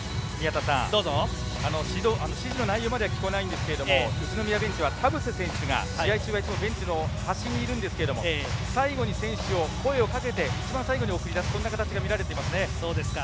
指示の内容までは聞こえないんですけれども宇都宮ベンチは田臥選手がいつも試合中は端にいるんですが最後に選手に声をかけて一番最後に送り出すそんな形が見られています。